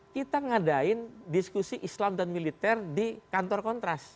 kita ngadain diskusi islam dan militer di kantor kontras